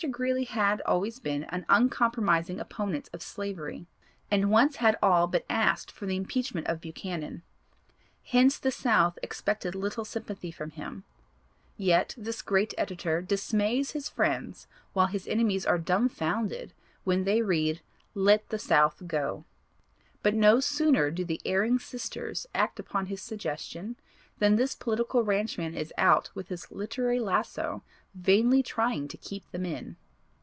Greeley had always been an uncompromising opponent of slavery, and once had all but asked for the impeachment of Buchanan, hence the South expected little sympathy from him; yet, this great editor dismays his friends while his enemies are dumbfounded when they read, "Let the South go," but no sooner do the 'erring sisters' act upon his suggestion than this political ranchman is out with his literary lasso vainly trying to keep them in.